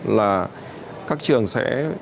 là các trường sẽ